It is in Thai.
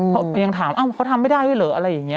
เขายังถามเขาทำไม่ได้ด้วยเหรออะไรอย่างนี้